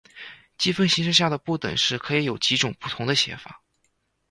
积分形式下的不等式可以有几种不同的写法。